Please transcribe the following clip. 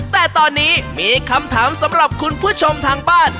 แต่ตอนนี้มีคำถามสำหรับคุณผู้ชมทางบ้าน